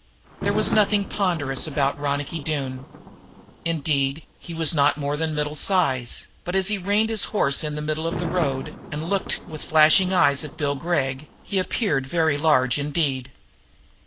There was nothing ponderous about Ronicky Doone. Indeed he was not more than middle size, but, as he reined his horse in the middle of the road and looked with flashing eyes at Bill Gregg, he appeared very large indeed.